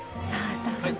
設楽さん